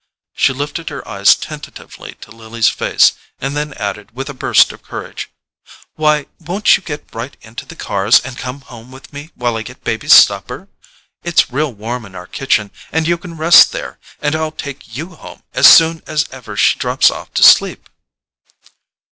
She lifted her eyes tentatively to Lily's face, and then added with a burst of courage: "Why won't you get right into the cars and come home with me while I get baby's supper? It's real warm in our kitchen, and you can rest there, and I'll take YOU home as soon as ever she drops off to sleep."